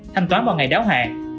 thanh toán vào ngày đáo hạng